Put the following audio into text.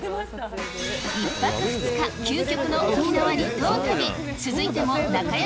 １泊２日、究極の沖縄離島旅。